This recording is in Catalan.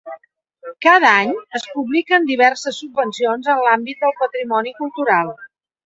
Cada any es publiquen diverses subvencions en l'àmbit del patrimoni cultural.